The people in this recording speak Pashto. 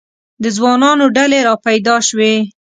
د ځوانانو ډلې را پیدا شوې.